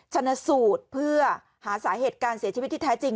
ชนะสูตรเพื่อหาสาเหตุการเสียชีวิตที่แท้จริง